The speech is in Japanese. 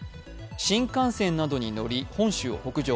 新幹線などに乗り、本州を北上。